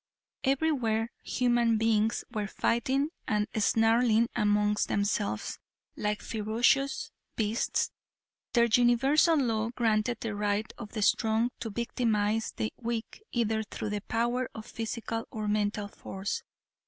Everywhere human beings were fighting and snarling amongst themselves like ferocious beasts. Their universal law granted the right of the strong to victimize the weak either through the power of physical or mental force.